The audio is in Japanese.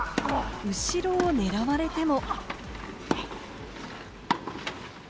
後ろを狙われても。